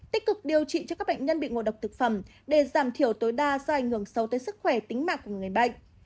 tích cực điều trị cho các bệnh nhân bị ngộ độc thực phẩm để giảm thiểu tối đa do ảnh hưởng sâu tới sức khỏe tính mạng của người bệnh